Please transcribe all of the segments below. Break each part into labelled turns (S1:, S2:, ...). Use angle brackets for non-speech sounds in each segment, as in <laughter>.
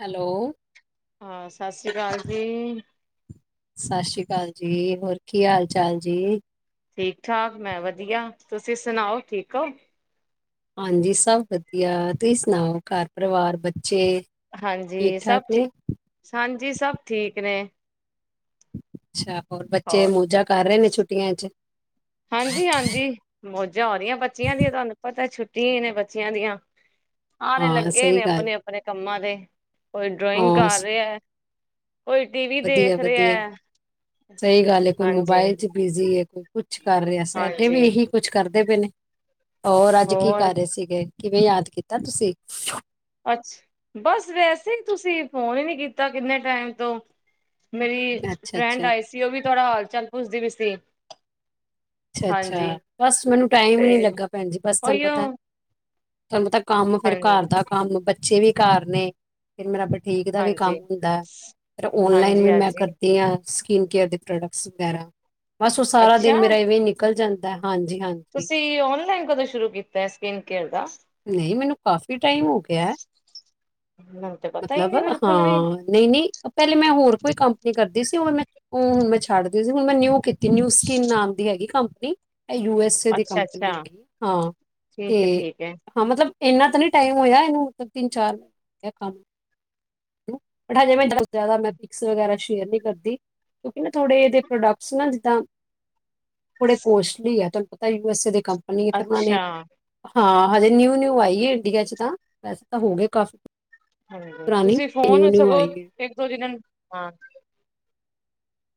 S1: Hello
S2: ਹਾਂ, ਸਸ ਸ੍ਰੀ ਕਾਲ ਜੀ।
S1: ਸਤਿ ਸ਼੍ਰੀ ਅਕਾਲ ਜੀ। ਹੋਰ ਕੀ ਹਾਲ ਚਾਲ ਜੀ?
S2: ਠੀਕ ਠਾਕ, ਮੈਂ ਵਧੀਆ। ਤੁਸੀਂ ਸੁਣਾਓ, ਠੀਕ ਹੋ।
S1: ਹਾਂਜੀ, ਸਭ ਵਧੀਆ। ਤੁਸੀਂ ਸੁਣਾਓ, ਘਰ ਪਰਿਵਾਰ, ਬੱਚੇ। ਠੀਕ
S2: ਹਾਂਜੀ ਸਭ
S1: ਠਾਕ ਨੇ?
S2: ਠੀਕ, ਹਾਂਜੀ ਸਭ ਠੀਕ ਨੇ।
S1: ਅੱਛਾ। ਹੋਰ ਬੱਚੇ ਮੌਜਾਂ ਕਰ ਰਹੇ ਨੇ ਛੁੱਟੀਆਂ ਚ।
S2: ਹਾਂਜੀ ਹਾਂਜੀ ਮੌਜਾਂ ਹੋ ਰਹੀਆਂ ਬੱਚਿਆਂ ਦੀਆਂ ਤੁਹਾਨੂੰ ਪਤੈ ਛੁੱਟੀਆਂ ਹੀ ਨੇ ਬੱਚਿਆਂ ਦੀਆਂ। ਆਰੇ
S1: ਹਾਂ,
S2: ਲੱਗੇ
S1: ਸਹੀ
S2: ਨੇ
S1: ਗੱਲ
S2: ਅਪਣੇ ਅਪਣੇ ਕੰਮਾਂ ਦੇ, ਕੋਈ ਡਰਾਇੰਗ
S1: ਹਾਂ,
S2: ਕਰ
S1: ਸ-
S2: ਰਿਹਾ ਕੋਈ ਟੀ ਵੀ
S1: ਵਧੀਆ
S2: ਦੇਖ
S1: ਵਧੀਆ।
S2: ਰਿਹੈ ਹਾਂਜੀ।
S1: ਬਿਜੀ ਏ, ਕੋਈ ਕੁਛ ਕਰ ਰਿਹੈ, ਸਾਡੇ
S2: ਹਾਂਜੀ
S1: ਵੀ ਇਹੀ ਕੁਛ ਕਰਦੇ ਪਏ ਨੇ। ਹੋਰ ਅੱਜ ਕੀ ਕਰ ਰਹੇ ਸੀਗੇ। ਕਿਵੇਂ ਯਾਦ ਕੀਤਾ ਤੁਸੀ?
S2: ਅੱਛ ਬਸ ਵੈਸੇ ਈ ਤੁਸੀਂ ਫੋਨ ਹੀ ਨੀ ਕੀਤਾ ਕਿੰਨੇ ਟੈਮ ਤੋ। ਮੇਰੀ
S1: ਅੱਛਾ
S2: ਫਰੈਂਡ
S1: ਅੱਛਾ,
S2: ਆਈ ਸੀ ਉਹ ਵੀ ਤੁਹਾਡਾ ਹਾਲ ਚਾਲ ਪੁੱਛਦੀ ਪੀ ਸੀ।
S1: ਅੱਛਾ
S2: ਹਾਂਜੀ
S1: ਅੱਛਾ, ਬਸ ਮੈਨੂੰ ਟਾਇਮ
S2: ਤੇ
S1: ਹੀ ਨੀ ਲੱਗਾ ਭੈਣ ਜੀ, ਬਸ ਤੁਹਾਨੂੰ
S2: ਉਹੀਓ
S1: ਪਤੈ ਤੁਹਾਨੂੰ ਪਤੈ ਕੰਮ ਫੇਰ ਘਰ
S2: ਹਾਂਜੀ
S1: ਦਾ ਕੰਮ, ਬੱਚੇ ਵੀ ਘਰ ਨੇ ਫੇਰ ਮੇਰਾ ਬੁਟੀਕ ਦਾ ਵੀ ਕੰਮ
S2: ਹਾਂਜੀ
S1: ਹੁੰਦੈ, ਫੇਰ ਔਨਲਾਈਨ
S2: ਹਾਂਜੀ
S1: ਵੀ ਮੈਂ
S2: ਹਾਂਜੀ
S1: ਕਰਦੀ ਆ। ਸਕਿਨ ਕੇਅਰ ਦੇ ਪ੍ਰੋਡਕਟਸ ਵਗੈਰਾ, ਬਸ ਉਹ ਸਾਰਾ
S2: ਅੱਛਾ
S1: ਦਿਨ ਮੇਰਾ ਇਵੇਂ ਨਿਕਲ ਜਾਂਦੈ ਹਾਂਜੀ ਹਾਂ
S2: ਤੁਸੀਂ ਔਨਲਾਈਨ ਕਦੋਂ ਸ਼ੁਰੂ ਕੀਤੈ, ਸਕਿਨ ਕੇਅਰ ਦਾ।
S1: ਨਹੀ ਮੈਨੂੰ ਕਾਫ਼ੀ ਟਾਈਮ ਹੋ ਗਿਐ,
S2: ਮੈਨੂੰ ਤੇ ਪਤਾ ਹੀ
S1: ਮਤਲਬ
S2: ਨੀ ਬਿਲਕੁਲ ਵੀ
S1: ਹਾਂ ਨਹੀ ਨਹੀ ਪਹਿਲੇ ਮੈਂ ਹੋਰ ਕੋਈ ਕੰਪਨੀ ਕਰਦੀ ਸੀ ਹੁਣ ਉਹ ਹੁਣ ਮੈਂ ਛੱਡਤੀ ਸੀ, ਹੁਣ ਮੈਂ ਨਿਊ ਕੀਤੀ ਨਿਊ ਸਕਿਨ ਨਾਮ ਦੀ ਹੈਗੀ company, A U S A ਦੀ
S2: ਅੱਛਾ ਅੱਛਾ
S1: ਕੰਪਨੀ ਹੈਗੀ। ਹਾਂ,
S2: ਠੀਕ ਹੈ
S1: ਤੇ
S2: ਠੀਕ ਹੈ
S1: ਹਾਂ ਮਤਲਬ ਏਨਾ ਤਾਂ ਨੀ ਟਾਈਮ ਹੋਇਆ ਇਹਨੂੰ ਮਤਲਬ ਤਿੰਨ ਚਾਰ ਬਟ ਹਜੇ ਮੈਂ ਜਿਆਦਾ ਪਿਕੱਸ ਵਗੈਰਾ ਸ਼ੇਅਰ ਨੀ ਕਰਦੀ। ਕਿਉਂਕਿ ਨਾ ਥੋੜੇ ਇਹਦੇ ਪ੍ਰੋਡਕਟਸ ਨਾ ਜਿੱਦਾ ਬੜੇ ਕੋਸਟਲੀ ਹੈ ਤੁਹਾਨੂੰ ਪਤਾ ਯੂ ਐਸ ਏ ਦੀ ਕੰਪਨੀ ਏ, ਫਿਰ ਉਹਨਾਂ ਨੇ
S2: ਅੱਛਾ
S1: ਹਾਂ ਹਜੇ ਨਿਊ ਨਿਊ ਆਈ ਏ ਇੰਡੀਆ ਚ ਤਾਂ, ਵੈਸੇ ਤਾਂ ਹੋ ਗਏ ਕਾਫੀ
S2: ਹਾਂਜੀ
S1: ਪੁਰਾਣੀ
S2: ਤੁਸੀਂ
S1: ਨਿਊ
S2: ਫੋਨ
S1: ਨਿਊ
S2: ਸਗੋਂ
S1: ਆਈ ਹੈ
S2: ਇੱਕ ਦੋ ਦਿਨਾਂ ਨੂੰ ਹਾਂ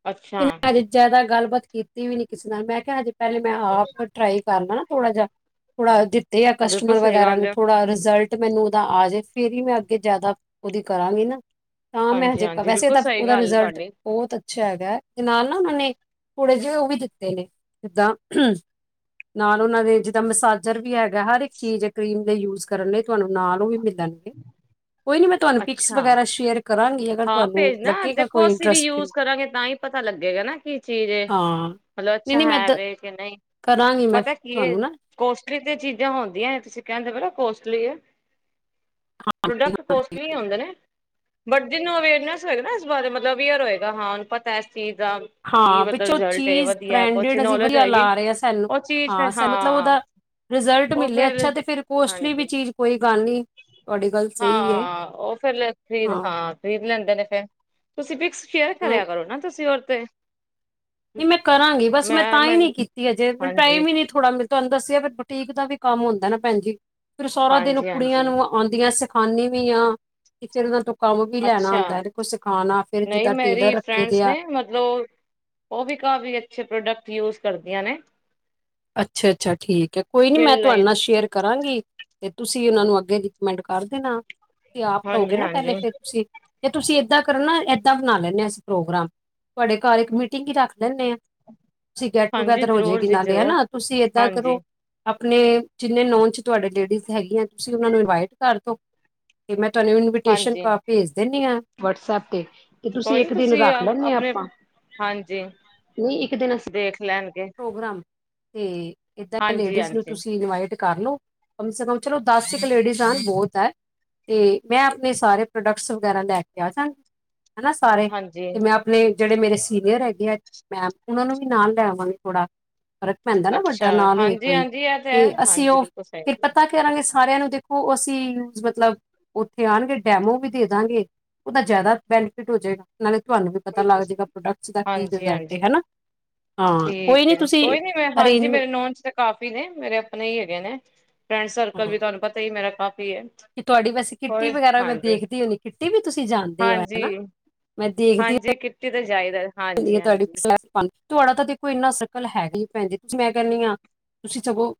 S2: ਅੱਛਾ
S1: <unintelligible> ਜ਼ਿਆਦਾ ਗੱਲਬਾਤ ਕੀਤੀ ਵੀ ਨੀ ਕਿਸੇ ਨਾਲ, ਮੈਂ ਕਿਹਾ ਹਜੇ ਪਹਿਲੇ ਮੈਂ ਆਪ ਟਰਾਈ ਕਰ ਲਾ ਨਾ ਥੋੜਾ ਜਿਹਾ ਥੋੜਾ ਦਿੱਤੇ ਆ
S2: ਬਿਲਕੁਲ
S1: ਕਸੱਟਮਰ
S2: ਸਹੀ
S1: ਵਗੈਰਾ
S2: ਗੱਲ
S1: ਨੂੰ,
S2: ਹੈ
S1: ਥੋੜਾ ਰਿਜ਼ਲਟ ਤੇ ਮੈਨੂੰ ਉਹਦਾ ਆਜੇ ਫੇਰ ਹੀ ਮੈਂ ਅੱਗੇ ਜਿਆਦਾ ਉਹਦੀ ਕਰਾਂਗੀ ਨਾ ਤਾਂ ਮੈਂ
S2: ਹਾਂਜੀ
S1: ਹਜੇ,
S2: ਹਾਂਜੀ
S1: ਵੈਸੇ
S2: ਬਿਲਕੁਲ
S1: ਤਾਂ
S2: ਸਹੀ
S1: ਉਹਦਾ
S2: ਗੱਲ ਹੈ
S1: ਰਿਜ਼ਲਟ
S2: ਤੁਹਾਡੀ
S1: ਬਹੁਤ ਅੱਛਾ ਹੈਗੈ ਤੇ ਨਾਲ ਨਾ ਉਹਨਾਂ ਨੇ ਥੋੜੇ ਜੇ ਉਹ ਵੀ ਦਿੱਤੇ ਨੇ ਜਿੱਦਾ ਨਾਲ ਉਹਨਾਂ ਦੇ ਜਿੱਦਾਂ ਮਸਾਜਰ ਵੀ ਹੈਗਾ ਹਰ ਇੱਕ ਚੀਜ਼ ਏ ਕਰੀਮ ਦੇ ਯੂਜ ਕਰਨ ਲਈ ਤੁਹਾਨੂੰ ਨਾਲ ਉਹ ਵੀ ਮਿਲ ਲਗਦਾ ਏ। ਕੋਈ ਨੀ ਮੈਂ ਤੁਹਾਨੂੰ ਪਿਕਸ
S2: ਅੱਛਾ
S1: ਵਗੈਰਾ ਸ਼ੇਅਰ ਕਰਾਂਗੀ, ਅਗਰ
S2: ਹਾਂ
S1: ਤੁਹਾਨੂੰ
S2: ਭੇਜਣਾ
S1: ਲਗੇਗਾ
S2: ਦੇਖੋ
S1: ਕੋਈ
S2: ਅਸੀਂ ਵੀ ਯੂਜ
S1: ਇੰਟਰਸਟਿੰਗ
S2: ਕਰਾਂਗੇ ਤਾਂ ਹੀ ਪਤਾ ਲੱਗੇਗਾ ਨਾ ਕੀ ਚੀਜ਼ ਏ
S1: ਹਾਂ
S2: ਮਤਲਬ
S1: ਨਹੀਂ
S2: ਅੱਛਾ
S1: ਨਹੀਂ ਮੈਂ
S2: ਹੈ
S1: ਦ-
S2: ਵੇ ਕੇ ਨਹੀ
S1: ਕਰਾਂਗੀ ਮੈਂ
S2: ਪਤਾ ਕੀ ਏ
S1: ਤੁਹਾਨੂੰ ਨਾ
S2: ਕੋਸਟਲੀ ਤੇ ਚੀਜ਼ਾਂ ਹੁੰਦੀਐਂ ਤੁਸੀਂ ਕਹਿੰਦੇ ਪਏਓ ਨਾ ਕੋਸਟਲੀ ਏ
S1: ਹਾਂ
S2: ਪ੍ਰੋਡਕਟ ਕੋਸਟਲੀ ਈ ਹੋੰਦੇ ਨੇ ਬਟ ਜਿਹਨੂੰ ਅਵੇਅਰਨੈਸ ਹੋਏਗਾ ਨਾ ਇਸ ਬਾਰੇ ਮਤਲਬ ਅਵੇਅਰ ਹੋਏਗਾ ਹਾਂ ਉਹਨੂੰ ਪਤਾ ਇਸ ਚੀਜ਼ ਦਾ ਕੀ
S1: ਹਾਂ
S2: ਮਤਲਬ
S1: ਵਿੱਚੋ
S2: ਰਿਜ਼ਲਟ ਏ
S1: ਚੀਜ਼
S2: ਵਧੀਆ ਕੁਛ
S1: ਬ੍ਰੈਂਡਿਡ ਅਸੀਂ
S2: ਨੌਲੇਜ
S1: ਵਧੀਆ
S2: ਹੋਏਗੀ
S1: ਲਾ ਰਹੇ ਆਂ ਸਾਨੂੰ
S2: ਉਹ ਚੀਜ਼ ਫਿਰ
S1: ਹਾਂ ਸਾਨੂੰ ਮਤਲਬ ਉਹਦਾ ਰਿਜ਼ਲਟ ਮਿਲਿਆ ਅੱਛਾ ਤੇ ਫਿਰ ਕੋਸਟਲੀ ਵੀ
S2: ਹਾਂਜੀ
S1: ਚੀਜ਼ ਕੋਈ ਗੱਲ ਨੀ। ਤੁਹਾਡੀ ਗੱਲ
S2: ਹਾਂ ਉਹ ਫੇਿਰ ਖਰੀਦ ਹਾਂ, ਖ਼ਰੀਦ ਲੈਂਦੇ ਨੇ ਫੇਿਰ, ਤੁਸੀਂ ਫਿਕਸ ਫੇਅਰ
S1: ਅ,
S2: ਕਰਿਆ ਕਰੋ ਨਾ ਤੁਸੀਂ ਓਦੇ ਤੇ,
S1: ਨਹੀਂ ਮੈਂ ਕਰਾਂਗੀ, ਬਸ ਮੈਂ ਤਾਂ ਹੀ ਨੀ ਕੀਤੀ ਅਜ ਪ
S2: ਹਾਂਜੀ
S1: ਟਾਈਮ ਹੀ ਨਹੀਂ, ਥੋੜਾ ਮੈ ਤੁਹਾਨੂੰ ਦੱਸਿਆ ਆ, ਫਿਰ ਬੁਟੀਕ ਦਾ ਵੀ ਕੰਮ ਹੁੰਦਾ ਨਾ ਭੈਣਜੀ, ਫਿਰ ਸਾਰਾ ਦਿਨ
S2: ਹਾਂਜੀ
S1: ਕੁੜੀਆਂ
S2: ਹਾਂਜੀ
S1: ਨੂੰਅ, ਆਉਂਦੀਆਂ ਸਿਖਾਦੀ ਵੀ ਆ, ਤੇ ਫੇਰ ਉਹਨਾਂ ਤੋਂ ਕੰਮ ਵੀ ਲੈਣਾ
S2: ਅੱਛਾ
S1: ਹੁੰਦਾ ਤੇ ਕੁਛ ਸਿਖਾਣਾ ਫੇਿਰ
S2: ਨਹੀਂ
S1: ਜਿੱਦਾਂ
S2: ਮੇਰੀ
S1: ਟੇਲਰ ਰੱਖੇ ਦੇ
S2: ਫਰੈਂਡਸ
S1: ਆ,
S2: ਨੇ ਮਤਲਬ ਉਹ ਵੀ ਕਾਫੀ ਅੱਛੇ ਪ੍ਰੋਡਕਟ ਯੂਜ ਕਰਦੀਆਂ ਨੇ,
S1: ਅੱਛਾ -ਅੱਛਾ ਠੀਕ ਐ, ਕੋਈ ਨੀ ਮੈਂ
S2: ਸਕਿਨ
S1: ਤੁਹਾਡੇ
S2: ਲਈ
S1: ਨਾਲ ਸ਼ੇਅਰ ਕਰਾਂਗੀ, ਤੇ ਤੁਸੀਂ ਉਹਨਾਂ ਨੂੰ ਅੱਗੇ ਰਿਕਮੈਂਡ ਕਰ ਦੇਣਾ, ਤੇ ਆਪ ਲਓਗੇ
S2: ਹਾਂਜੀ
S1: ਨਾ ਪਹਿਲੇ
S2: ਹਾਂਜੀ
S1: ਫਿਰ ਤੁਸੀਂ ਤੇ ਤੁਸੀਂ ਏਦਾਂ ਕਰਨਾ ਏਦਾਂ ਬਣਾ ਲੈਂਦੇ ਆ ਅਸੀਂ ਪ੍ਰੋਗਰਾ, ਤੁਹਾਡੇ ਘਰ ਇੱਕ ਮੀਟਿੰਗ ਹੀ ਰੱਖ ਲੈਂਦੇ ਆ, ਠੀਕ ਐ ਗੈਟ
S2: ਹਾਂਜੀ
S1: ਟੂਗੇੈਦਰ ਹੋ
S2: ਜ਼ਰੂਰ
S1: ਜਾਏਗੀ
S2: ਜੀ
S1: ਨਾਲੇ
S2: ਜ਼ਰੂਰ
S1: ਹਨਾ, ਤੁਸੀਂ ਏਦਾ
S2: ਹਾਂਜੀ
S1: ਕਰੋ ਆਪਣੇ ਜਿੰਨੇ ਨੌਨ ਚ ਤੁਹਾਡੇ ਲੇਡੀਜ਼ ਹੈਗੀਆਂ, ਤੁਸੀਂ ਉਹਨਾਂ ਨੂੰ ਇਨਵਾਈਟ ਕਰ ਦਓ, ਤੇ ਮੈਂ ਤੁਹਾਨੂੰ ਇਨਵੀਟੇਸ਼ਨ
S2: ਹਾਂਜੀ
S1: ਕਾਰਡ ਭੇਜ ਦਿੰਦੀ ਆ, ਵਟਸ-ਅਪ ਤੇ, ਕੀ ਤੁਸੀਂ
S2: ਕੋਈ ਨੀ
S1: ਇੱਕ ਦਿਨ ਰੱਖ ਲੈਂਦੇ
S2: ਆਪਣੇ
S1: ਆਪਾਂ,
S2: ਹਾਂਜੀ
S1: ਨਈ ਇੱਕ ਦਿਨ ਅਸੀ
S2: ਦੇਖ ਲੈਣਗੇ
S1: ਪ੍ਰੋਗਰਾਮ, ਤੇ ਏਦਾਂ ਆਪਾ
S2: ਹਾਂਜੀ
S1: ਲੇਡੀਸ ਨੂੰ
S2: ਹਾਂਜੀ
S1: ਤੁਸੀਂ ਇਨਵਾਈਟ, ਕਰ ਲਓ, ਕਮ ਸੇ ਕਮ ਚਲੋ ਦਸ ਕ ਲੇਡੀਸ ਆਣ ਬੋਤ ਆ, ਤੇ ਮੈਂ ਆਪਣੇ ਸਾਰੇ ਪ੍ਰੋਡਕਟਸ ਵਗੈਰਾ ਲੈ ਕੇ ਆ ਜਾ, ਹਨਾ ਸਾਰੇ
S2: ਹਾਂਜੀ
S1: ਤੇ ਮੈਂ, ਤੇ ਜਿਹੜੇ ਮੇਰੇ ਸੀਨੀਅਰ ਹੈਗੇ ਆ, ਮੈਮ ਉਹਨਾਂ ਨੂੰ ਵੀ ਨਾਲ ਲੈ ਆਵਾਗੀ ਥੋੜਾ, ਫ਼ਰਕ ਪੈਂਦਾ ਨਾ
S2: ਅੱਛਾ
S1: ਵੱਡਾ ਨਾਲ ਹੋਏ
S2: ਹਾਂਜੀ
S1: ਕੋਈ
S2: ਹਾਂਜੀ ਇਹ
S1: ਤੇ
S2: ਹੈ
S1: ਅਸੀਂ
S2: ਹਾਂਜੀ
S1: ਉਹ
S2: ਬਿਲਕੁਲ ਸਹੀ
S1: ਫਿਰ
S2: ਗੱਲ ਹੈ
S1: ਪਤਾ, ਕਰਾਂਗੇ ਸਾਰਿਆਂ ਨੂੰ ਦੇਖੋ ਅਸੀਂ ਮਤਲਬ, ਉੱਥੇ ਆਣਗੇ ਡੈਮੋ ਵੀ ਦੇ ਦਾਂਗੇ, ਉਹਦਾ ਜ਼ਿਆਦਾ ਬੈਨੀਫਿਟ ਹੋ ਜਾਏਗਾ, ਨਾਲੇ ਤੁਹਾਨੂੰ ਵੀ ਪਤਾ ਲੱਗ
S2: ਬਿਲਕੁਲ
S1: ਜਾਏਗਾ ਪ੍ਰੋਡਕਸ ਦਾ ਕੀ
S2: ਹਾਂਜੀ
S1: ਰਿਜ਼ਲਟ ਏ
S2: ਹਾਂਜੀ
S1: ਹਨਾ, ਹਾਂ
S2: ਠੀਕ
S1: ਕੋਈ ਨੀ
S2: ਹੈ
S1: ਤੁਸੀਂ
S2: ਕੋਈ ਨੀ ਮੈਂ ਹਾਂਜੀ
S1: ਅਰੇਂਜਮੈਂਟ
S2: ਮੇਰੇ ਨੋਨ ਚ ਤੇ ਕਾਫੀ ਨੇ, ਮੇਰੇ ਆਪਣੇ ਈ ਹੈਗੇ ਨੇ, ਫਰੈਂਡ ਸਰਕਲ
S1: ਹਾਂ
S2: ਵੀ ਤੁਹਾਨੂੰ ਪਤਾ ਈ ਐ ਮੇਰਾ ਕਾਫੀ ਏ,
S1: ਕਿ ਤੁਹਾਡੀ ਵੈਸੇ ਕਿੱਟੀ ਵਗੈਰਾ ਵੀ ਮੈਂ ਦੇਖਦੀ ਹੁੰਦੀ ਕਿੱਟੀ ਵੀ ਤੁਸੀਂ ਜਾਂਦੇ ਐ
S2: ਹਾਂਜੀ
S1: ਹਨਾ, ਮੈਂ ਦੇਖਦੀ ਹ
S2: ਹਾਂਜੀ ਕਿੱਟੀ ਤਾਂ ਜਾਈਦਾ,
S1: ਕਿੱਟੀ
S2: ਹਾਂਜੀ
S1: ਦੀਆ ਤੁਹਾਡੀ
S2: ਹਾਂਜੀ
S1: ਸਨੈਪ ਪਾਨੀ ਤੁਹਾਡਾ ਤਾਂ ਦੇਖੋ ਇੰਨਾ ਸਰਕਲ ਹੈਨੀ, ਭੈਣ ਜੀ ਤੁਸੀਂ ਮੈਂ ਕੇਹਣੀ ਆ, ਤੁਸੀਂ ਸਗੋਂ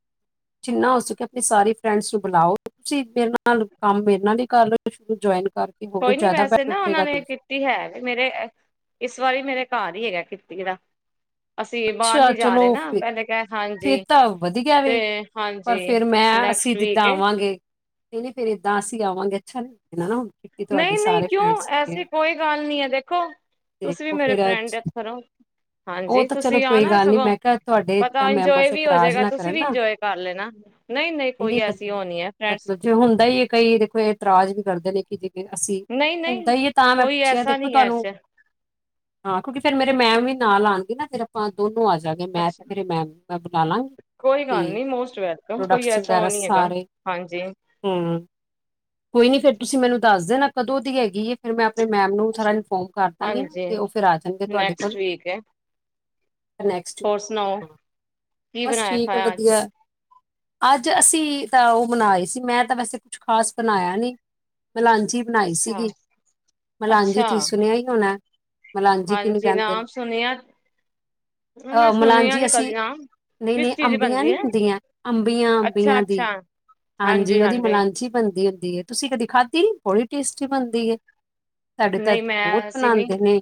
S1: ਜਿੰਨਾ ਹੋ ਸਕੇ ਆਪਣੀ ਸਾਰੀ ਫਰੈਂਡਸ ਨੂੰ ਬਲਾਓ ਤੁਸੀਂ ਮੇਰੇ ਨਾਲ ਕੰਮ ਮੇਰੇ ਨਾਲ ਹੀ ਕਰ ਲੋ, ਸ਼ੁਰੂ ਤੋ ਜੁਆਇਨ ਕਰਕੇ ਹੋਰ ਜ਼ਿਆਦਾ ਬੈਨੀਫਿਟ ਰਹੇਗਾ ਤੁਹਾਨੂੰ,
S2: ਕਿੱਟੀ ਹੈ ਵੀ ਮੇਰੇ ਏ ਇਸ ਵਾਰੀ ਮੇਰੇ ਘਰ ਹੀ ਹੈਗਾ ਕਿੱਟੀ ਦਾ, ਅਸੀਂ ਬਾਹਰ
S1: ਅੱਛਾ
S2: ਨੀ ਜਾ ਰਹੇ
S1: ਚਲੋ ਫ
S2: ਨਾ, ਪਹਿਲੇ ਕ
S1: ਫੇਰ
S2: ਹਾਂਜੀ
S1: ਤਾਂ ਵਧੀਆ
S2: ਤੇ
S1: ਵੇ
S2: ਹਾਂਜੀ,
S1: ਪਰ ਫੇਿਰ ਮੈਂ ਅਸੀਂ
S2: ਨੈਕਸਟ
S1: ਜਿੱਦਾਂ
S2: ਵੀਕ ਏ
S1: ਆਵਾਂਗੇ, ਨਹੀਂ -ਨਹੀਂ ਫੇਿਰ ਇੱਦਾਂ ਅਸੀਂ ਆਵਾਂਗੇ ਅੱਛਾ ਨਈ ਲਗੇਗਾ ਨਾ ਹੁਣ, ਕਿਟੀ ਤੁਹਾਡੀ
S2: ਨਹੀਂ -ਨਹੀਂ
S1: ਸਾਰੇ
S2: ਕਿਉਂ
S1: ਫਰੈਂਡਸ
S2: ਐਸੀ
S1: ਨੇ
S2: ਕੋਈ ਗੱਲ ਨਈ ਐ, ਦੇਖੋ ਤੁਸੀਂ ਵੀ
S1: ਦੇਖੋ
S2: ਮੇਰੇ
S1: ਫੇਰ
S2: ਫਰੈਂਡ ਵਾਕਰ ਔ,
S1: ਉਹ
S2: ਹਾਂਜੀ
S1: ਤਾਂ ਚਲੋ
S2: ਤੁਸੀਂ
S1: ਕੋਈ
S2: ਆਨਾ
S1: ਗੱਲ ਨੀ
S2: ਸਗੋਂ
S1: ਮੈਂ ਕਿਹਾ ਤੁਹਾਡੇ ਏਦਾਂ
S2: ਪਤਾ ਇੰਜੋਏ
S1: ਮੈਂਬਰਸ
S2: ਵੀ ਹੋ
S1: ਇਤਰਾਜ਼
S2: ਜਾਏਗਾ
S1: ਨਾ
S2: ਤੁਸੀਂ
S1: ਕਰਨ
S2: ਵੀ
S1: ਨਾ
S2: ਇੰਜੋਏ ਕਰ ਲੈਣਾ, ਨਈ -ਨਈ
S1: ਨਹੀਂ
S2: ਕੋਈ
S1: ਨਹੀਂ
S2: ਐਸੀ ਉਹ ਨਹੀਂ ਐ ਫਰੈਂਡਸ,
S1: ਮਤਲਬ ਜੇ ਹੁੰਦਾ ਐ ਕਈ ਦੇਖੋ ਇਹਤਰਾਜ ਵੀ ਕਰਦੇ ਨੇ ਕਿ ਜੇ, ਅਸੀਂ
S2: ਨਹੀਂ
S1: ਹੁੰਦਾ
S2: ਨਹੀਂ
S1: ਹੀ ਹੈ ਤਾਂ ਮੈਂ
S2: ਕੋਈ
S1: ਪੁੱਛਿਆ
S2: ਐਸਾ
S1: ਦੇਖੋ
S2: ਨਹੀਂ ਹੈ
S1: ਤੁਹਾਨੂੰ,
S2: ਅੱਛਾ
S1: ਹਾਂ ਕਿਉਂਕਿ ਫੇਿਰ ਮੇਰੇ ਮੈਮ ਵੀ ਨਾਲ ਆਣਗੇ ਨਾ ਫਿਰ ਆਪਾਂ ਦੋਨੋਂ ਆਜਾਗੇ ਮੈਂ ਤੇ
S2: ਅੱਛਾ
S1: ਮੇਰੇ ਮੈਮ ਮੈ ਬਲਾਲਾਗੀ,
S2: ਕੋਈ ਗੱਲ ਨਈ ਮੋਸਟ ਵੈਲਕਮ ਕੋਈ ਐਸਾ ਉਹ ਨਈ ਹੈਗਾ ਹਾਂਜੀ।
S1: ਹੁ ਕੋਈ ਨੀ ਫੇਰ ਤੁਸੀਂ ਮੈਨੂੰ ਦੱਸ ਦੇਨਾ ਕਦੋਂ ਦੀ ਹੈਗੀ ਏ, ਫਿਰ ਮੈਂ ਆਪਣੇ ਮੈਮ ਨੂੰ ਸਾਰੇਆ ਨੂੰ ਇਨਫੋਮ ਕਰਦਾਗੀ ਉਹ ਫਿਰ ਆ ਜਾਂਣਗੇ ਤੁਹਾਡੇ ਕੋਲ,
S2: ਠੀਕ ਐ।
S1: ਨੈਕਸਟ, ਹਾਂ,
S2: ਕੀ
S1: ਬਸ
S2: ਬਣਾਇਆ
S1: ਠੀਕ ਐ
S2: ਖਾਇਆ ਅੱਜ
S1: ਵਧੀਆ। ਅੱਜ ਅਸੀਂ ਤਾਂ ਉਹ ਬਨਾਏ ਸੀ ਮੈਂ ਤਾਂ ਵੈਸੇ ਕੁਛ ਖਾਸ ਬਣਾਇਆ ਨਈ। ਮਲਾਂਜੀ ਬਣਾਈ
S2: ਅੱਛਾ
S1: ਸੀਗੀ, ਮਲਾਂਜੀ
S2: ਅੱਛਾ
S1: ਤੁਸੀਂ ਸੁਣਿਆ ਈ ਹੋਣਾ। ਮਲਾਂਜੀ ਕਿਹਨੂੰ
S2: ਹਾਂਜੀ
S1: ਕਹਿੰਦੇ ਨੇ।
S2: ਨਾਮ ਸੁਣਿਆ ਮੈਂ ਸੁਣਿਆ ਨਹੀਂ ਕਦੀ ਹਾਂ।
S1: ਨਹੀਂ-ਨਹੀਂ ਅੰਬੀਆਂ ਨਹੀਂ ਹੁੰਦੀਆਂ, ਅੰਬੀਆਂ
S2: ਅੱਛਾ
S1: ਅੰਬੀਆਂ ਦੀ।
S2: ਅੱਛਾ
S1: ਹਾਂਜੀ ਉਹਦੀ ਮਲਾਂਜੀ ਬਣਦੀ ਹੁੰਦੀ ਆ। ਤੁਸੀਂ ਕਦੀ ਖਾਦੀ ਨੀ ਬੜੀ ਟੇਸਟੀ ਬਣਦੀ ਐ। ਸਾਡੇ ਤਾਂ
S2: ਨਹੀਂ
S1: ਇੱਥੇ ਬਹੁਤ
S2: ਮੈਂ ਅਸੀਂ ਨੀ
S1: ਬਣਾਦੇ ਨੇ,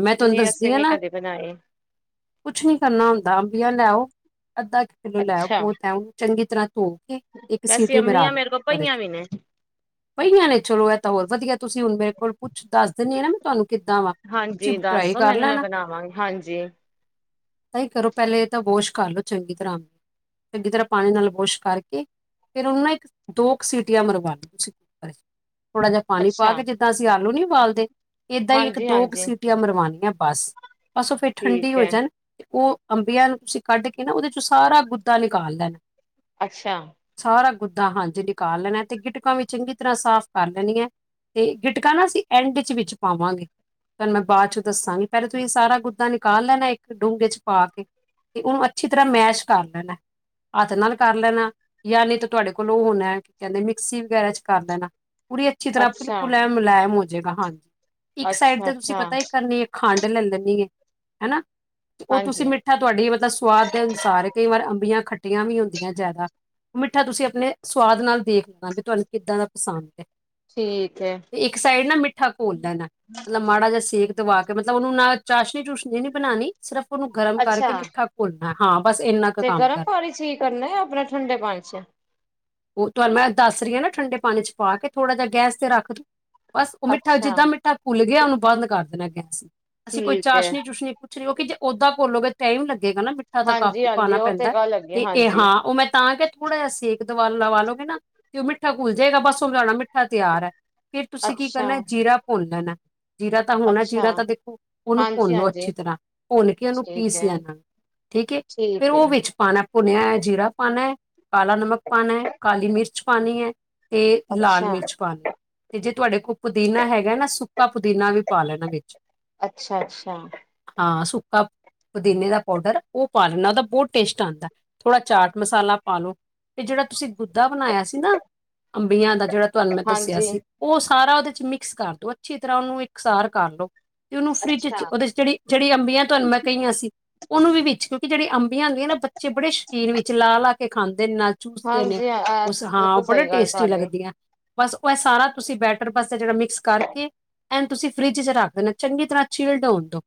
S1: ਮੈਂ ਤੁਹਾਨੂੰ
S2: ਨਹੀਂ
S1: ਦੱਸ
S2: ਅਸੀਂ ਨਹੀਂ ਕਦੇ ਬਣਾਈ।
S1: ਕੁਛ ਨੀ ਕਰਨਾ ਹੁੰਦਾ ਅੰਬੀਆਂ ਲਿਆਓ ਅੱਧਾ ਕ ਲੋ ਲੈ ਆਓ
S2: ਅੱਛਾ
S1: ਬਹੁਤ ਐ, ਉਹ ਚੰਗੀ ਤਰ੍ਹਾਂ ਧੋ ਕੇ ਇੱਕ ਸੀ
S2: ਵੈਸੇ
S1: ਮਰਾ
S2: ਅੰਮੀਆਂ
S1: ਲੋ
S2: ਮੇਰੇ ਕੋਲ
S1: ਓਹਦੇ
S2: ਪਈਆਂ
S1: ਚ
S2: ਵੀ ਨੇ
S1: ਪਈਆਂ ਨੇ ਚਲੋ ਇਹ ਤਾਂ ਹੋਰ ਵਧੀਆ ਤੁਸੀਂ ਹੁਣ ਮੇਰੇ ਕੋਲ ਪੁੱਛ ਦੱਸ ਦਿੰਨੀ ਨਾ ਵੀ ਤੁਹਾਨੂੰ ਕਿੱਦਾਂ ਵਾ।
S2: ਹਾਂਜੀ
S1: ਤੁਸੀਂ
S2: ਦੱਸ
S1: ਟਰਾਈ
S2: ਦੋ
S1: ਕਰ
S2: ਮੈਨੂੰ ਮੈਂ
S1: ਲੈਣਾ
S2: ਬਣਾਵਾਂ, ਹਾਂਜੀ।
S1: ਆਹੀ ਕਰੋ ਪਹਿਲੇ ਏਹ ਤਾਂ ਵੋਸ਼ ਕਰ ਲੋ ਚੰਗੀ ਤਰ੍ਹਾਂ, ਚੰਗੀ ਤਰ੍ਹਾਂ ਪਾਣੀ ਨਾਲ ਵੋਸ਼ ਕਰਕੇ ਫਿਰ ਉਹਨੂੰ ਨਾ ਇੱਕ ਦੋ ਕੁ ਸੀਟੀਆਂ ਮਰਵਾਾਨੀਆਂ ਤੁਸੀਂ ਥੋੜਾ ਜਿਹਾ ਪਾਣੀ
S2: ਅੱਛਾ
S1: ਪਾ ਕੇ ਜਿੱਦਾਂ ਅਸੀਂ ਆਲੂ ਨੀ, ਬਾਲਦੇ ਏਦਾਂ ਹੀ ਇੱਕ
S2: ਹਾਂਜੀ
S1: ਦੋ ਕੁ
S2: ਹਾਂਜੀ
S1: ਸੀਟੀਆਂ ਮਰਵਾਉਣੀਆਂ। ਬਸ ਬਸ ਉਹ ਫੇਰ ਠੰਡੀ
S2: ਠੀਕ
S1: ਹੋ
S2: ਹੈ
S1: ਜਾਣ। ਉਹ ਅੰਬੀਆਂ ਨੂੰ ਤੁਸੀਂ ਕੱਢ ਕੇ ਨਾ ਉਹਦੇ ਚੋਂ ਸਾਰਾ ਗੁੱਦਾ ਨਿਕਾਲ ਲੈਣਾ।
S2: ਅੱਛਾ।
S1: ਸਾਰਾ ਗੁੱਦਾ ਹਾਂਜੀ ਨਿਕਾਲ ਲੈਣਾ ਤੇ ਗਿਟਕਾਂ ਵੀ ਚੰਗੀ ਤਰ੍ਹਾਂ ਸਾਫ਼ ਕਰ ਲੈਣੀਆਂ। ਤੇ ਗਿਟਕਾ ਨਾ ਅਸੀਂ ਐਂਡ ਚ ਵਿੱਚ ਪਾਵਾਂਗੇ। ਤੁਹਾਨੂੰ ਮੈਂ ਬਾ ਚੋਂ ਦੱਸਾਂਗੀ। ਪਹਲੇ ਤੁਸੀਂ ਸਾਰਾ ਗੁੱਦਾ ਨਿਕਾਲ ਲੈਣਾ ਇੱਕ ਡੂੰਘੇ ਚ ਪਾ ਕੇ। ਤੇ ਉਹਨੂੰ ਅੱਛੀ ਤਰ੍ਹਾਂ ਮੈਸ਼ ਕਰ ਲੈਣਾ ਹੱਥ ਨਾਲ ਕਰ ਲੈਣਾ। ਜਾਂ ਨੀ ਤਾਂ ਤੁਹਾਡੇ ਕੋਲ ਉਹ ਹੋਣਾ ਕੀ ਕਹਿੰਦੇ ਮਿਕਸੀ ਵਗੈਰਾ ਚ ਕਰ ਲੈਣਾ ਪੂਰੀਏ। ਅੱਛੀ ਤਰ੍ਹਾਂ
S2: ਅੱਛਾ
S1: ਬਿਲਕੁਲ ਐ ਮੁਲਾਇਮ ਹੋ ਜੇਗਾ ਹਾਂਜੀ, ਇੱਕ ਸਾਈਡ
S2: ਅੱਛਾ
S1: ਤੇ ਤੁਸੀਂ
S2: ਅੱਛਾ
S1: ਪਤਾ ਕਿ ਕਰਨੀ ਆ ਖੰਡ ਲਲਣੀ ਆ, ਤੇ ਉਹ ਤੁਸੀਂ
S2: ਹਾਂਜੀ
S1: ਮਿੱ ਆ ਤੁਹਾਡੀ ਮਤਲਬ ਸਵਾਦ ਦੇ ਅਨੁਸਾਰ ਕਈ ਵਾਰ ਅੰਬੀਆਂ ਖੱਟੀਆਂ ਵੀ ਹੁੰਦੀਆਂ ਜ਼ਿਆਦਾ। ਮਿੱਠਾ ਤੁਸੀਂ ਆਪਣੇ ਸੁਵਾਦ ਨਾਲ ਦੇਖ ਲੈਣਾ ਕਿ ਤੁਹਾਨੂੰ ਕਿੱਦਾਂ ਦਾ ਪਸੰਦ ਆ।
S2: ਠੀਕ ਐ।
S1: ਤੇ ਇੱਕ ਸਾਈਡ ਨਾ ਮਿੱਠਾ ਘੋਲ ਲੈਣਾ ਮਲਬ ਮਾੜਾ ਜੇਹਾ ਸੇਕ ਦਵਾ ਕੇ ਮਤਲਬ ਉਹਨੂੰ ਨਾ ਚਾਸ਼ਨੀ ਚੂਸ਼ਨੀ ਨੀ ਬਣਾਉਣੀ ਸਿਰਫ ਉਹਨੂੰ ਗਰਮ ਕਰਕੇ
S2: ਅੱਛਾ
S1: ਮਿੱਠਾ ਘੋਲਣਾ ਹਾਂ ਬਸ ਇੰਨਾ ਕੁ
S2: ਤੇ
S1: ਕੰਮ
S2: ਗਰਮ
S1: ਕਰਨਾ।
S2: ਪਾਣੀ ਚ ਹੀ ਕਰਨਾ ਹੈ ਆਪਣਾ ਠੰਡੇ ਪਾਣੀ ਚ
S1: ਉਹ ਤੁਹਾਨੂੰ ਮੈਂ ਦੱਸ ਰਹੀ ਆ ਨਾ ਠੰਡੇ ਪਾਣੀ ਚ ਪਾ ਕੇ ਥੋੜ੍ਹਾ ਜਹਾ ਗੈਸ ਤੇ ਰੱਖ ਦੋ। ਬਸ ਉਹ ਮਿੱਠਾ
S2: ਅੱਛਾ
S1: ਜਿੱਦਾਂ ਮਿੱਠਾ ਘੁੱਲ ਗਿਆ ਉਹਨੂੰ ਬੰਦ ਕਰ ਦੇਣਾ ਗੈਸ ਨੂੰ। ਅਸੀਂ ਕੋਈ
S2: ਠੀਕ ਹੈ
S1: ਚਾਸ਼ਨੀ ਚੂਸ਼ਨੀ ਕੁਛ ਨਹੀਂ ਉਹ ਕਿ ਜੇ ਓਦਾਂ ਘੋਲੋਗੇ ਤਾਂ ਟਾਈਮ ਲੱਗੇਗਾ ਨਾ ਹੈ ਤਾਂ
S2: ਹਾਂਜੀ
S1: ਕਪ ਈ
S2: ਹਾਂਜੀ
S1: ਪਾਣਾ
S2: ਉਹ ਤੇ
S1: ਪੈਂਦਾ
S2: ਗੱਲ ਹੈਗੀ ਹੈ,
S1: ਤੇ ਇਹ
S2: ਹਾਂਜੀ
S1: ਹਾਂ ਉਹ ਮੈਂ ਤਾਂ ਕਿ ਥੋੜਾ ਜਿਹਾ ਸੇਕ ਦਵਾ ਲਵਾ ਲਓਗੇ ਨਾ ਤੇ ਉਹ ਮਿੱਠਾ ਘੁਲ ਜਾਏਗਾ ਬਸ ਉ ਸਾਡਾ ਮਿੱਠਾ ਤਿਆਰ ਐ। ਫਿਰ ਤੁਸੀਂ ਕੀ
S2: ਅੱਛਾ
S1: ਕਰਨਾ ਜੀਰਾ ਭੁੰਨ ਲੈਣਾ ਜੀਰਾ ਤਾਂ ਹੋਣਾ
S2: ਅੱਛਾ
S1: ਜੀਰਾ ਤਾਂ ਉਹਨੂੰ
S2: ਹਾਂਜੀ
S1: ਭੁੰਨੋ
S2: ਹਾਂਜੀ
S1: ਅੱਛੀ ਤਰ੍ਹਾਂ, ਭੁੰਨ ਕੇ ਉਹਨੂੰ
S2: ਠੀਕ
S1: ਪੀਸ
S2: ਹੈ
S1: ਲੈਣਾ ਠੀਕ ਹੈ ਫੇਰ
S2: ਠੀਕ ਹੈ
S1: ਉਹ ਵਿ ਚ ਪਾਣਾ ਭੁਨਿਆ ਹੋਇਆ ਜੀਰਾ ਪਾਣਾ ਆ, ਕਾਲਾ ਨਮਕ ਪਾਣਾ, ਕਾਲੀ ਮਿਰਚ ਪਾਣੀ ਐ। ਤੇ ਇਹ ਲਾਲ
S2: ਅੱਛਾ
S1: ਮਿਰਚ ਪਾਣੀ ਤੇ ਜੇ ਤੁਹਾਡੇ ਕੋਲ ਪੁਦੀਨਾ ਹੈਗਾ ਨਾ ਸੁੱਕਾ ਪੁਦੀਨਾ ਵੀ ਪਾ ਲੈਣਾ ਵਿੱਚ।
S2: ਅੱਛਾ ਅੱਛਾ।
S1: ਹਾਂ ਸੁੱਕਾ ਪੁਦੀਨੇ ਦਾ ਪਾਊਡਰ, ਉਹ ਪਾ ਲੈਂਦਾ ਉਹਦਾ ਬਹੁਤ ਟੇਸਟ ਆਉਂਦਾ, ਥੋੜ੍ਹਾ ਚਾਟ ਮਸਾਲਾ ਪਾ ਲਉ ਇਹ ਜਿਹੜਾ ਤੁਸੀਂ, ਗੁੱਦਾ ਬਣਾਇਆ ਸੀ ਨਾ, ਅੰਬੀਆਂ ਦਾ ਜਿਹੜਾ ਤੁਹਾਨੂੰ ਮੈਂ ਦੱਸਿਆ
S2: ਹਾਂਜੀ
S1: ਸੀ। ਉਹ ਸਾਰਾ ਉਹਦੇ ਚ ਮਿਕਸ ਕਰ ਦੋ, ਅੱਛੀ ਤਰ੍ਹਾਂ ਉਹਨੂੰ ਇਕਸਾਰ ਕਰ ਲੋ ਤੇ ਉਹਨੂੰ ਫਰਿੱਜ
S2: ਅੱਛਾ
S1: ਚ, ਉਹਦੇ ਚ ਜਿਹੜੀ -ਜਿਹੜੀ ਅੰਬੀਆਂ, ਤੁਹਾਨੂੰ ਮੈਂ ਕਹੀਆਂ ਸੀ। ਉਹਨੂੰ ਵਿੱਚ ਕਿਉਂਕਿ, ਜਿਹੜੇ ਅੰਬੀਆਂ ਹੁੰਦੀਆਂ ਨਾ ਬੱਚੇ ਬੜੇ ਸ਼ੌਕੀਨ, ਵਿੱਚ ਲਾਹ ਲਾ ਕੇ ਖਾਂਦੇ ਨੇ ਚੂਸਦੇ ਨੇ,
S2: ਹਾਂਜੀ ਅ
S1: ਉਸ ਹਾਂ ਉਹ
S2: ਬਿਲਕੁਲ
S1: ਬੜੇ
S2: ਸਹੀ ਗੱਲ
S1: ਟੇਸਟੀ
S2: ਤੁਹਾਡੀ
S1: ਲੱਗਦੀਆਂ ਬਸ ਉਹ ਇਹ ਸਾਰਾ ਤੁਸੀਂ ਬੈਟਰ, ਬਸ ਜਿਹੜਾ ਮਿਕਸ ਕਰਕੇ ਏਨੂੰ, ਤੁਸੀਂ ਫਰਿੱਜ ਚ ਰੱਖ ਦੇਣਾ ਚੰਗੀ ਤਰ੍ਹਾਂ, ਚੀਿਲਡ ਹੋਣ ਦੌ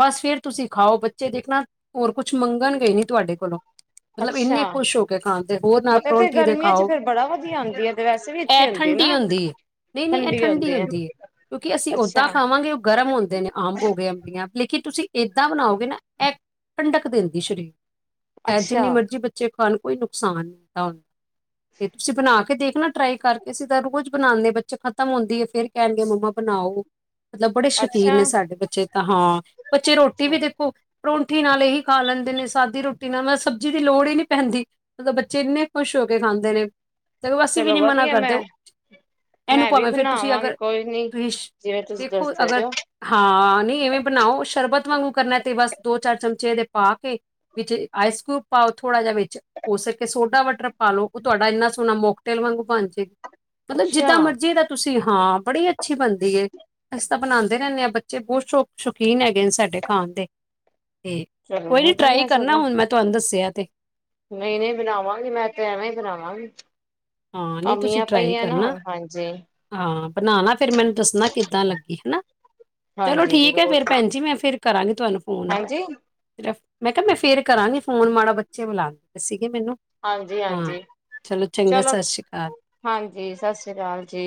S1: ਬਸ ਫੇਰ ਤੁਸੀਂ ਖਾਓ, ਬੱਚੇ ਦੇਖਣਾ ਹੋਰ ਕੁਛ ਮੰਗਣ ਗਏ ਨੀ, ਤੁਹਾਡੇ ਕੋਲੋਂ ਮਤਲਬ
S2: ਅੱਛਾ
S1: ਇੰਨੇ ਖੁਸ਼ ਹੋ ਕੇ ਖਾਣ, ਦੇ ਹੋਰ ਨਾਲ
S2: ਮਤਲਬ ਤੇ
S1: ਪਰੌਂਠੀ ਦੇ
S2: ਗਰਮੀਆਂ ਚ
S1: ਖਾਓ
S2: ਫੇਰ ਬੜਾ ਵਧੀਆ ਆਉਂਦੀ ਹੈ ਤੇ ਵੈਸੇ ਵੀ ਅੱਛੀ
S1: ਇਹ ਠੰਡੀ
S2: ਨਾ
S1: ਹੁੰਦੀ ਏ, ਨਹੀਂ -ਨਹੀਂ ਇਹ ਠੰਡੀ ਹੁੰਦੀ ਹੈ ਕਿਉਂਕਿ, ਅਸੀਂ
S2: ਅੱਛਾ
S1: ਓਦਾਂ ਖਾਵਾਂਗੇ ਗਰਮ ਹੁੰਦੇ ਨੇ, ਅੰਬ ਹੋ ਗਏ ਅਬੀਆਂ ਲੇਕਿਨ, ਤੁਸੀਂ ਇੱਦਾਂ ਬਣਾਓਗੇ ਨਾ, ਇਹ ਠਡਕ ਦਿੰਦੀ ਸਰੀਰ ਹੈ
S2: ਅੱਛਾ
S1: ਜਿੰਨੀ ਮਰਜ਼ੀ, ਬੱਚੇ ਖਾਣ ਕੋਈ ਨੁਕਸਾਨ ਨਹੀਂ ਹੁੰਦਾ ਫਿਰ ਤੁਸੀਂ ਬਣਾ ਕੇ ਦੇਖਣਾ ਟਰਾਈ ਕਰਕੇ, ਅਸੀਂ ਤਾਂ ਰੋਜ਼ ਬਣਾਉਂਦੇ ਹਾਂ, ਬੱਚੇ ਖਤਮ ਹੁੰਦੀ ਹੈ ਫੇਰ ਕਹਿਣਗੇ, ਮੰਮਾ ਬਣਾਓ? ਮਤਲਬ ਬੜੇ ਸ਼ੌਕੀਨ
S2: ਅੱਛਾ
S1: ਨੇ, ਸਾਡੇ ਬੱਚੇ ਤਾਂ ਹਾਂ, ਬੱਚੇ ਰੋਟੀ
S2: ਅੱਛਾ
S1: ਵੀ ਦੇਖੋ ਪਰੌਂਠੀ ਨਾਲ ਇ ਹੀ ਖਾ ਲੈਂਦੇ ਨੇ, ਸਾਦੀ ਰੋਟੀ ਨਾਲ ਮੈਂ ਸਬਜ਼ੀ ਦੀ, ਲੋੜ ਹੀ ਨਹੀਂ ਪੈਂਦੀ ਮਤਲਬ, ਬੱਚੇ ਇੰਨੇ ਖੁਸ਼ ਹੋ ਕੇ ਖਾਂਦੇ ਨੇ ਤੇ ਅਸੀਂ ਵੀ
S2: ਚਲੋ
S1: ਨਹੀਂ ਮਨਾ
S2: ਵਧੀਆ,
S1: ਕਰਦੇ
S2: ਮੈਂ
S1: ਇਹਨੂੰ
S2: -ਮੈਂ ਵੀ
S1: ਭਾਵੇਂ ਫਿਰ ਤੁਸੀਂ
S2: ਬਣਾਵਾਂਗੀ
S1: ਅਗਰ
S2: ਕੋਈ ਨੀ
S1: ਤੁਸੀਂ ਸ਼-
S2: ਜਿਵੇਂ ਤੁਸੀ
S1: ਅਗਰ ਹਾਂ, ਨਹੀਂ ਇਵੇਂ ਬਣਾਓ, ਸ਼ਰਬਤ ਵਾਂਗੂ ਕਰਨਾ ਤੇ, ਬਸ ਦੋ ਚਾਰ ਚਮਚੇ ਦੇ ਪਾ ਕੇ ਵਿੱਚ ਆਈਸਕਊਬ ਪਾਓ, ਥੋੜ੍ਹਾ ਜਿਹਾ ਵਿੱਚ ਹੋ ਸਕੇ ਸੋਡਾ ਵਟਰ ਪਾ ਲਓ ਉਹ ਤੁਹਾਡਾ, ਇੰਨਾ ਸੋਹਣਾ ਮੋਕਟੇਲ ਵਾਂਗ ਬਣ ਜਾਏ, ਮਤਲਬ
S2: ਅੱਛਾ
S1: ਜਿੱਦਾਂ ਮਰਜ਼ੀ ਤੁਸੀਂ ਹਾਂ, ਬੜੀ ਅੱਛੀ ਬਣਦੀਏ ਅਸੀਂ ਤਾਂ ਬਣਾਉਂਦੇ ਰਹਿੰਦੇ ਹਾਂ, ਬੱਚੇ ਬਹੁਤ ਸ਼ੌਕ ਸ਼ੌਕੀਨ ਹੈਗੇ ਨੇ, ਸਾਡੇ ਖਾਣ ਦੇ ਤੇ
S2: ਚਲੋ
S1: ਕੋਈ ਨਈ ਟਰਾਈ
S2: ਵਧੀਆ
S1: ਕਰਨਾ,
S2: ਸਗੋਂ
S1: ਹੁਣ ਮੈਂ ਤੁਹਾਨੂੰ ਦੱਸਿਆ ਤੇ
S2: ਨਹੀਂ- ਨਹੀ ਨ ਬਣਾਵਾਂਗੀ, ਮੈਂ ਤੇ ਐਵੇਂ ਹੀ ਬਣਾਵਾਂਗੀ
S1: ਹਾਂ ਨਹੀਂ ਤੁਸੀਂ
S2: ਅਮੀਆਂ
S1: ਟਰਾਈ
S2: ਪਈਆਂ ਨਾ,
S1: ਕਰਨਾ
S2: ਹਾਂਜੀ।
S1: ਹਾਂ, ਬਣਾਣਾ ਫੇਰ ਮੈਨੂੰ ਦੱਸਣਾ, ਕਿੱਦਾਂ ਲੱਗੀ ਚਲੋ
S2: ਹਾਂਜੀ
S1: ਠੀਕ ਹੈ
S2: ਜ਼ਰੂਰ
S1: ਫੇਰ ਭੈਣ ਜੀ, ਮੈਂ ਫਿਰ ਕਰਾਂਗੀ ਤੁਹਾਨੂੰ ਫ਼ੋਨ
S2: ਹਾਂਜੀ
S1: ਤੇਰ ਮੈਂ ਕਿਹਾ ਮੈਂ ਫੇਰ ਕਰਾਂਗੀ ਫੋਨ, ਮਾੜਾ ਬੱਚੇ ਬੁਲਾ ਦਿੰਦੇ ਸੀਗੇ ਮੈਨੂੰ
S2: ਹਾਂਜੀ-
S1: ਹਾਂ
S2: ਹਾਂਜੀ
S1: ਚੰਗਾ
S2: ਚਲੋ
S1: ਸਤਿ ਸ਼੍ਰੀ ਅਕਾਲ
S2: ਹਾਂਜੀ, ਸਤਿ ਸ੍ਰੀ ਅਕਾਲ ਜੀ।